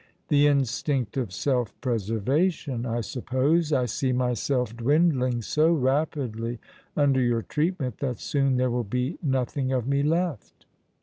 "The instinct of self preservation, I suppose. I see myself dwindling so rapidly under your treatment that soon there will be nothing of me left."